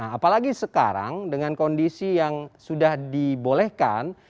apalagi sekarang dengan kondisi yang sudah dibolehkan